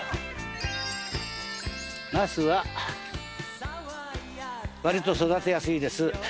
ナスは割と育てやすいです。